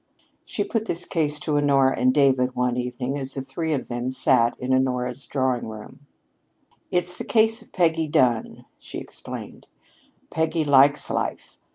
She put this case to Honora and David one evening as the three of them sat in Honora's drawing room. "It's the case of Peggy Dunn," she explained. "Peggy likes life.